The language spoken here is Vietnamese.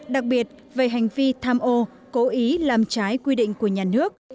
đặc biệt về hành vi tham ô cố ý làm trái quy định của nhà nước